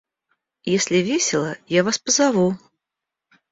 Если весело, я вас позову.